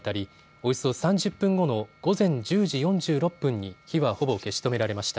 およそ３０分後の午前１０時４６分に火はほぼ消し止められました。